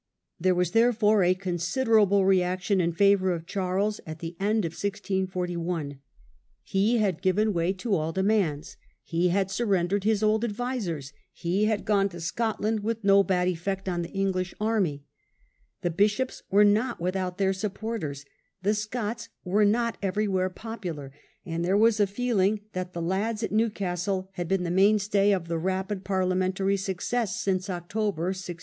There was therefore a considerable reaction in favour of Charles at the end of 1641; he had given way to all demands, he had surrendered his old charies gains advisers, he had gone to Scotland with no bythiscfis bad effect on the English army; the bishops "°'°" were not without their supporters; the Scots were not everywhere popular, and there was a feeling that the " lads at Newcastle " had been the mainstay of the rapid Parliamentary success since October, 1640.